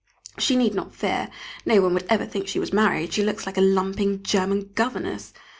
She need not fear, no one would ever think she was married, she looks like a lumping German governess.